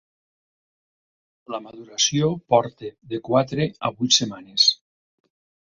La maduració porta de quatre a vuit setmanes.